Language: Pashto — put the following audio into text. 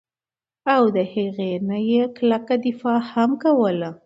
او د هغې نه ئي کلکه دفاع هم کوله